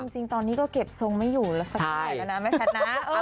จริงตอนนี้ก็เก็บทรงไม่อยู่แล้วสักเท่าไหร่แล้วนะแม่แพทย์นะ